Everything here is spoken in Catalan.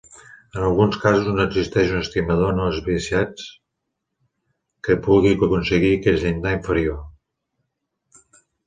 En alguns casos, no existeix un estimador no esbiaixats que pugui aconseguir aquest llindar inferior.